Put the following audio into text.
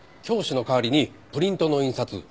教師の代わりにプリントの印刷